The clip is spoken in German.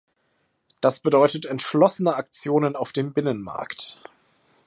Das bedeutet entschlossene Aktionen auf dem Binnenmarkt.